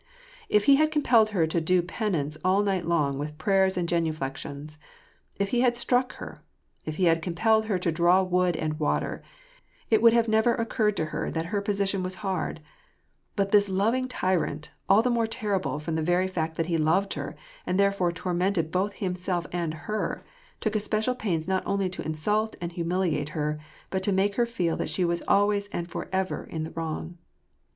If he had compelled her to do penance all night long with prayers and genuflections, if he had struck her, if he had compelled her to draw wood and water, it would have never occurred to her that her position was hard ; but this loving tyrant, all the more terrible from the very fact that he loved her, and there fore tormented both himself and her, took especial pains not only to insult and humiliate her, but to make her feel that she was always and forever in the wrong.